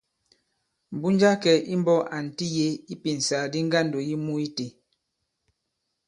Mbunja a kɛ̀ imbɔ̄k ànti yě ipìnsàgàdi ŋgandò yi mû itē.